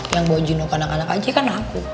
yang bawa jenuh ke anak anak aja kan aku